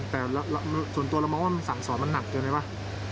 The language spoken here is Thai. แต่ส่วนตัวเรามองว่ามันสั่งสอนมันหนักเกินไปป่ะ